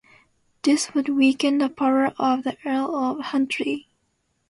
This would weaken the power of the Earl of Huntly.